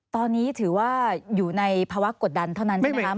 ตอนนี้ถือว่าอยู่ในภาวะกดดันเท่านั้นใช่ไหมครับ